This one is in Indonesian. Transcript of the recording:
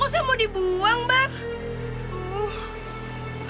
kok saya mau dibuang bang